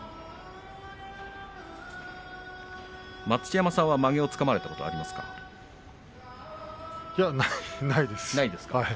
待乳山さんは、まげをつかまれたことがありますか？